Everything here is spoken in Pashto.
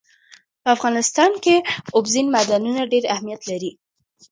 په افغانستان کې اوبزین معدنونه ډېر اهمیت لري.